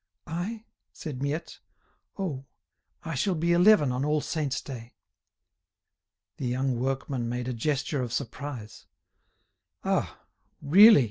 "I!" said Miette; "oh, I shall be eleven on All Saints' Day." The young workman made a gesture of surprise. "Ah! really!"